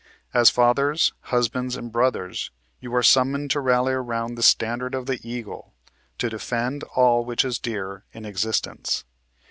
As fathers, husbands, and brothers, you are summoned to rally around the standard of the Eagle, to defend all which is dear in existence.